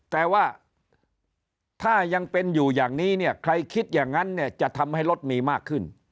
แต่ว่าถ้ายังเป็นอยู่อย่างนี้เนี่ยใครคิดอย่างนั้นเนี่ยจะทำให้รถมีมากขึ้น